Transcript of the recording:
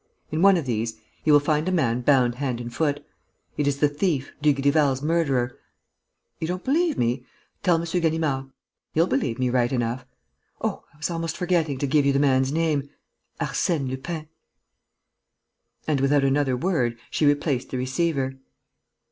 In one of these, he will find a man bound hand and foot. It is the thief, Dugrival's murderer.... You don't believe me?... Tell M. Ganimard; he'll believe me right enough.... Oh, I was almost forgetting to give you the man's name: Arsène Lupin!" And, without another word, she replaced the receiver.